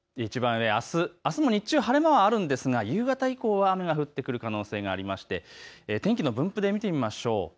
あすも日中、晴れ間はあるんですが夕方以降は雨が降ってくる可能性がありまして天気の分布で見てみましょう。